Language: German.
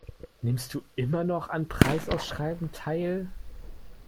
Nimmst du immer noch an Preisausschreiben teil?